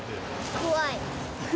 怖い。